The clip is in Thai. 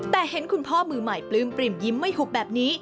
แต่เห็นคุณพ่อมือใหม่ปลื้มปริ่มยิ้มไม่หุบแบบนี้